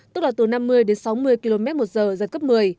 tức là từ năm mươi đến sáu mươi km một giờ giật cấp một mươi